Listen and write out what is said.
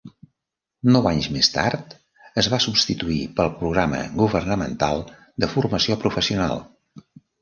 Nou anys més tard, es va substituir pel Programa Governamental de Formació Professional.